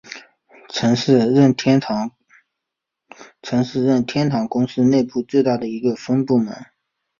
曾是任天堂公司内部最大的一个分部门。